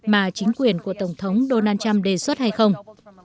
mà chính quyền của tổng thống donald trump đề xuất hay không